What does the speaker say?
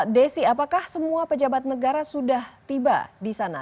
desi apakah semua pejabat negara sudah tiba di sana